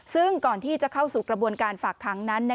ซึ่งก่อนที่จะเข้าสู่กระบวนการฝากค้างนั้น